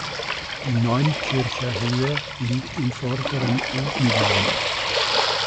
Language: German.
Die Neunkircher Höhe liegt im Vorderen Odenwald.